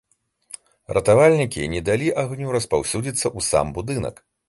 Ратавальнікі не далі агню распаўсюдзіцца ў сам будынак.